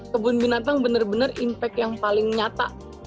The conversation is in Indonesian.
kebun binatang benar benar impact yang paling nyata